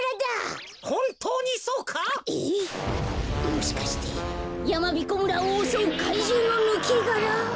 もしかしてやまびこ村をおそうかいじゅうのぬけがら？